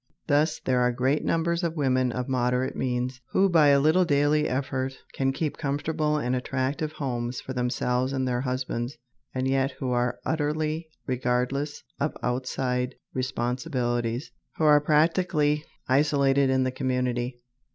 Thus there are great numbers of women of moderate means, who by a little daily effort can keep comfortable and attractive homes for themselves and their husbands, and yet who are utterly regardless of outside responsibilities, who are practically isolated in the community.